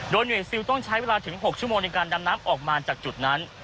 โดยหน่วยซิลต้องใช้เวลาถึง๖ชั่วโมงในการดำน้ำออกมาจากจุดนั้น